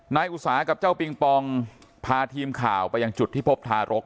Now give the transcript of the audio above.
อุตสาหกับเจ้าปิงปองพาทีมข่าวไปยังจุดที่พบทารก